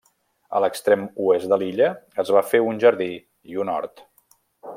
A l'extrem oest de l'illa es va fer un jardí i un hort.